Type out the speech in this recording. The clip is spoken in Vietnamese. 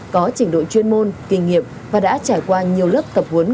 có trình độ chuyên môn kinh nghiệm và đã trải qua nhiều lớp tập huấn